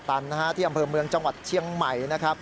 ตำนวนป่าตันที่อำเภอเมืองจังหวัดเชียงใหม่